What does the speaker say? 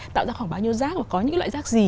tạo ra khoảng bao nhiêu rác và có những loại rác gì